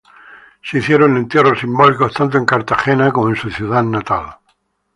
Se hicieron entierros simbólicos tanto en Cartagena como en su ciudad natal.